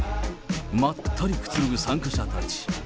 まったりくつろぐ参加者たち。